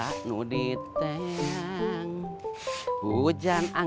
kalau datang lagi apa